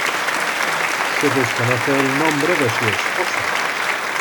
Se desconoce el nombre de su esposa.